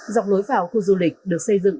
dọc lối vào khu du lịch được xây dựng